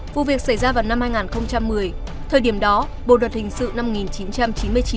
vụ việc xảy ra vào năm hai nghìn một mươi thời điểm đó bộ luật hình sự năm một nghìn chín trăm chín mươi chín